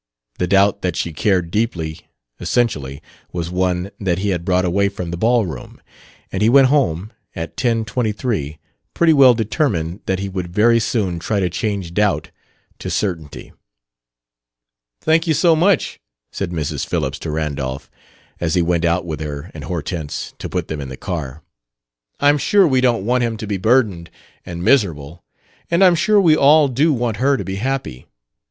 The doubt that she cared deeply, essentially, was one that he had brought away from the ball room. And he went home, at ten twenty three, pretty well determined that he would very soon try to change doubt to certainty. "Thank you so much," said Mrs. Phillips to Randolph, as he went out with her and Hortense to put them in the car. "I'm sure we don't want him to be burdened and miserable; and I'm sure we all do want her to be happy.